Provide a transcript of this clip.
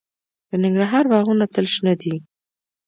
د ننګرهار باغونه تل شنه دي.